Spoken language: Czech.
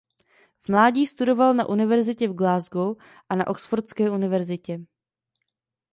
V mládí studoval na univerzitě v Glasgow a na Oxfordské univerzitě.